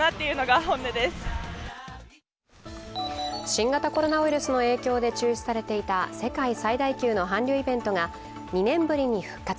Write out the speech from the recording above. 新型コロナウイルスの影響で中止されていた、世界最大級の韓流イベントが２年ぶりに復活。